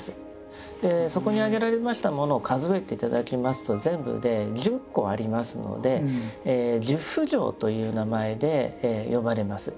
そこに挙げられましたものを数えて頂きますと全部で１０個ありますので「十不浄」という名前で呼ばれます。